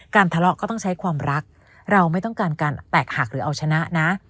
ทะเลาะก็ต้องใช้ความรักเราไม่ต้องการการแตกหักหรือเอาชนะนะ